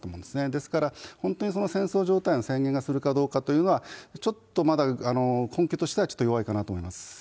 ですから、本当に戦争状態の宣言をするかどうかというのは、ちょっとまだ根拠としてはちょっと弱いかなと思います。